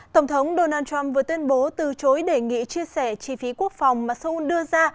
tổng thống donald trump vừa tuyên bố từ chối đề nghị chia sẻ chi phí quốc phòng mà seoul đưa ra